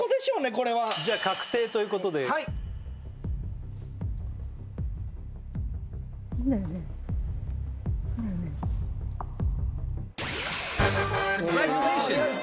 これはじゃあ確定ということでいいんだよね？